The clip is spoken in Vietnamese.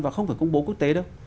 và không phải công bố quốc tế đâu